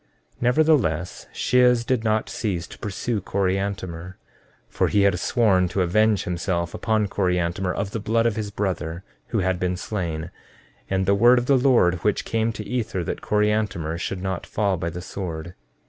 14:24 Nevertheless, Shiz did not cease to pursue Coriantumr; for he had sworn to avenge himself upon Coriantumr of the blood of his brother, who had been slain, and the word of the Lord which came to Ether that Coriantumr should not fall by the sword.